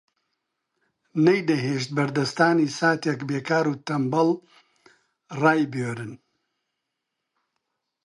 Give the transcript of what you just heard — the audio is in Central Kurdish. نەیدەهێشت بەردەستانی ساتێک بێکار و تەنبەڵ ڕایبوێرن